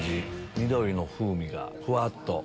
緑の風味がふわっと。